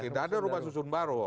tidak ada rumah susun baru